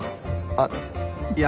あっいや。